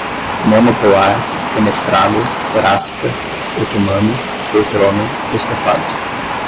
monopolar, fenestrada, torácica, otomano, poltrona, estofada